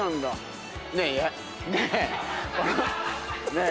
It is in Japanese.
ねえ。